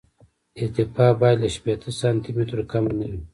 ارتفاع باید له شپېته سانتي مترو کمه نه وي